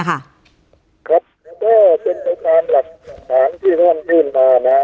ครับก็ก็เป็นแผงความหลักฐานที่ท่านยื่นมา